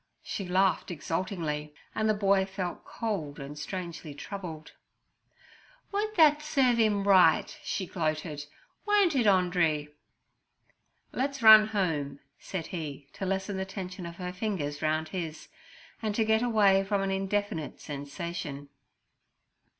She laughed exultingly, and the boy felt cold and strangely troubled. 'Won't that serve 'im right?' she gloated; 'won't it, Andree?' 'Let's run home' said he, to lessen the tension of her fingers round his, and to get away from an indefinite sensation.